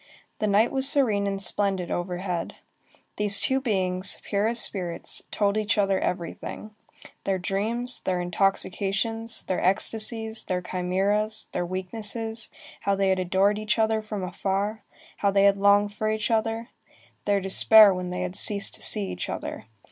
The night was serene and splendid overhead. These two beings, pure as spirits, told each other everything, their dreams, their intoxications, their ecstasies, their chimæras, their weaknesses, how they had adored each other from afar, how they had longed for each other, their despair when they had ceased to see each other.